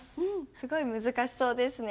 すごい難しそうですね。